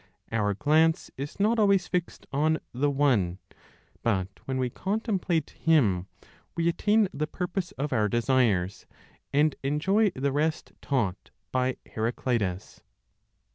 Our glance is not always fixed on the One; but when we contemplate Him, we attain the purpose of our desires, and enjoy the rest taught by Heraclitus.